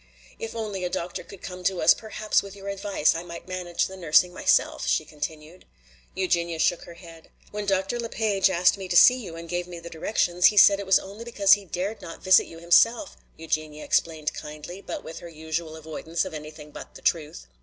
"If only a doctor could come to us, perhaps with your advice I might manage the nursing myself," she continued. Eugenia shook her head. "When Dr. Le Page asked me to see you and gave me the directions, he said it was only because he dared not visit you himself," Eugenia explained kindly, but with her usual avoidance of anything but the truth.